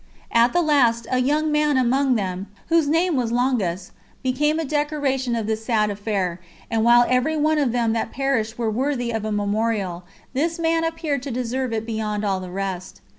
At the last a young man among them, whose name was Longus, became a decoration to this sad affair, and while every one of them that perished were worthy of a memorial, this man appeared to deserve it beyond all the rest.